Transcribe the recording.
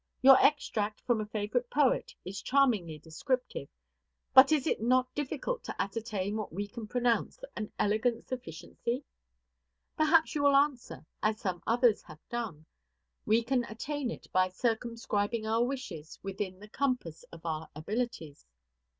Your extract from a favorite poet is charmingly descriptive; but is it not difficult to ascertain what we can pronounce "an elegant sufficiency"? Perhaps you will answer, as some others have done, we can attain it by circumscribing our wishes within the compass of our abilities.